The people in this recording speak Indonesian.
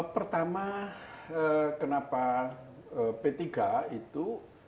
pertama kenapa p tiga itu